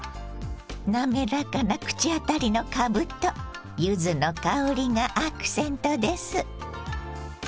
滑らかな口当たりのかぶと柚子の香りがアクセントです。